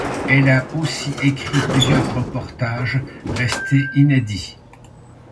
Elle a aussi écrit plusieurs reportages, restés inédits.